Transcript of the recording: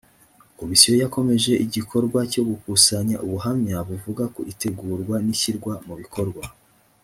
komisiyo yakomeje igikorwa cyo gukusanya ubuhamya buvuga ku itegurwa n ishyirwa mu bikorwa